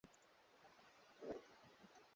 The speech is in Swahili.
Alihisi maumivu makali sana